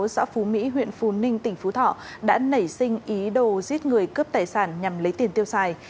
xã phú mỹ huyện phú ninh tỉnh phú thọ đã nảy sinh ý đồ giết người cướp tài sản nhằm lấy tiền tiêu xài